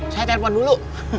saya telepon dulu